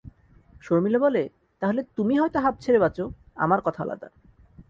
শর্মিলা বলে, তা হলে তুমি হয়তো হাঁপ ছেড়ে বাঁচ, আমার কথা আলাদা।